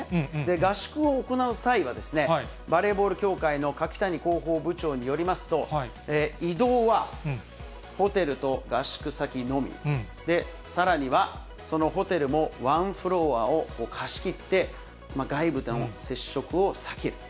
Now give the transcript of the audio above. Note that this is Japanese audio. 合宿を行う際は、バレーボール協会の柿谷広報部長によりますと、移動は、ホテルと合宿先のみ、さらには、そのホテルもワンフロアを貸し切って、外部との接触を避ける。